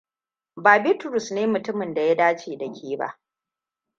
Ba Bitrus ne mutumin da ya dace da ke ba.